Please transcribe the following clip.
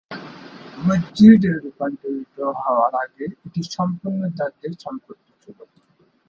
মসজিদে রূপান্তরিত হওয়ার আগে এটি সম্পূর্ণ ডাচদের সম্পত্তি ছিল।